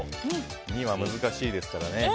２は難しいですから。